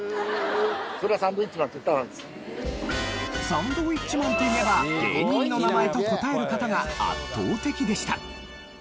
サンドウィッチマンといえば「芸人の名前」と答える方が圧倒的でした。